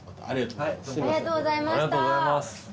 ありがとうございます。